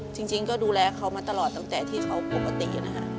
จริงก็ดูแลเขามาตลอดตั้งแต่ที่เขาปกตินะคะ